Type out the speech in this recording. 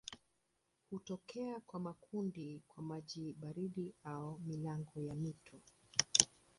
Hutokea kwa makundi kwa maji baridi au milango ya mito.